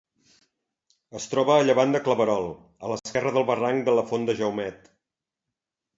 Es troba a llevant de Claverol, a l'esquerra del barranc de la Font de Jaumet.